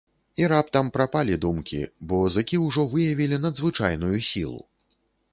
І раптам прапалі думкі, бо зыкі ўжо выявілі надзвычайную сілу.